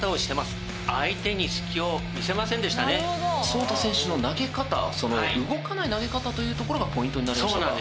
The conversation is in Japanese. そうた選手の投げ方その動かない投げ方というところがポイントになりましたか？